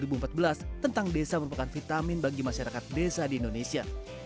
tentang desa merupakan vitamin bagi masyarakat desa di indonesia